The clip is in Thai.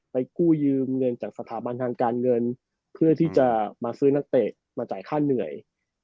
กู้ยืมเงินจากสถาบันทางการเงินเพื่อที่จะมาซื้อนักเตะมาจ่ายค่าเหนื่อย